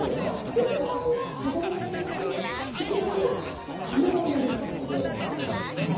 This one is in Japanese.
そういった場合は飾り物がある靴箱が上座になりますので。